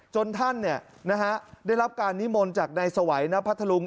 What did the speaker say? จนท่านเนี่ยนะฮะได้รับการนิมลจากในสวัยพระทรลุง